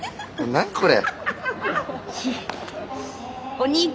何これ？